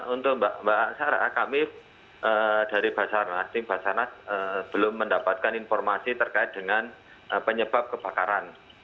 untuk mbak aksara kami dari basarnas tim basarnas belum mendapatkan informasi terkait dengan penyebab kebakaran